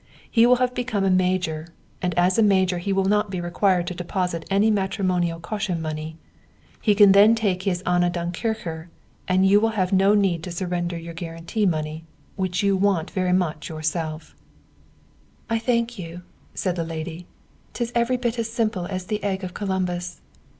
He will have become a major, and as major he will not be required to deposit any matrimonial caution money. He can then take his Anna Dunkircher, and you will have no need to surrender your guarantee money, which you want very much yourself." [Footnote 109: I say this of past times. M. J.] "I thank you," said the lady. "'Tis every bit as simple as the egg of Columbus.